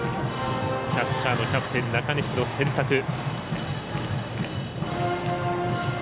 キャッチャーキャプテン中西の選択。